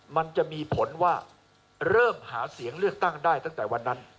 มันจะมีผลว่าเริ่มหาเสียงเลือกตั้งได้ตั้งแต่วันนั้น